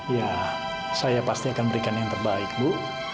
ya saya pasti akan berikan yang terbaik bu